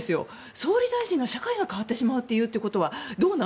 総理大臣が社会が変わってしまうと言うことはどうなの？